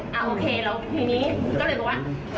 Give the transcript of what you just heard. อ่าโอเคแล้วทีนี้ก็เลยรู้ว่า